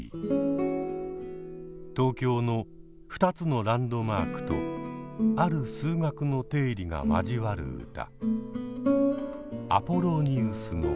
東京の２つのランドマークとある数学の定理が交わる歌。